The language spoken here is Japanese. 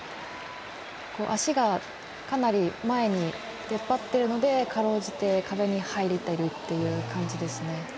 足が、かなり前に出っ張っているのでかろうじて壁に入れてるって感じですね。